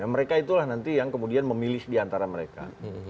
mereka itulah nanti yang kemudian memilih di antara mereka